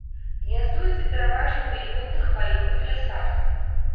Гняздуецца пераважна ў вільготных хваёвых лясах.